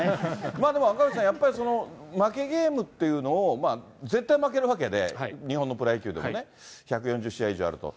まあでも、赤星さん、負けゲームっていうのを、絶対負けるわけで、日本のプロ野球でもね、１４０試合以上あると。